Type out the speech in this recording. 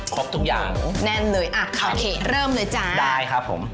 ครบทุกอย่างแน่นเลยอ่ะข่าวเขเริ่มเลยจ้าได้ครับผม